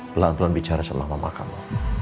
pelan pelan bicara sama mama